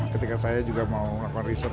ketika saya juga mau melakukan riset